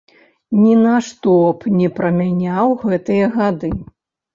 Ні на што б не прамяняў гэтыя гады.